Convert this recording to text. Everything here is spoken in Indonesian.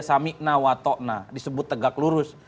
samikna watokna disebut tegak lurus